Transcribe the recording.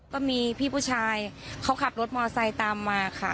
ก็มีพี่ผู้ชายเขาขับรถมอไซค์ตามมาค่ะ